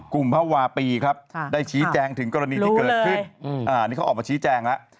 กลุ่มภาวะปีครับได้ชี้แจงถึงกรณีจิดเกิดที่เขาออกชี้แจ้งนะ